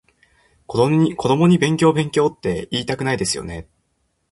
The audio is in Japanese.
子供に勉強勉強っていいたくないですよね？